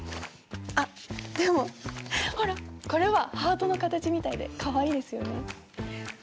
あっでもほらこれはハートの形みたいでかわいいですよね。